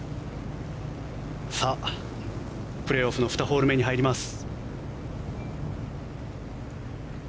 プレーオフの２ホール目に入ります。